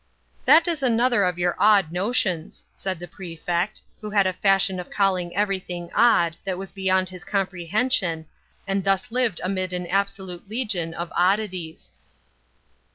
"That is another of your odd notions," said the Prefect, who had a fashion of calling every thing "odd" that was beyond his comprehension, and thus lived amid an absolute legion of "oddities."